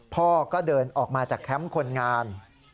พ่อก็เดินออกมาจากแคมป์คนงาน